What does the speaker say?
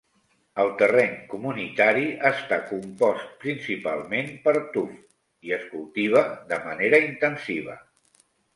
El terreny comunitari està compost principalment per tuf i es cultiva de manera intensiva.